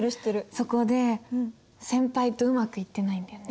そこで先輩とうまくいってないんだよね。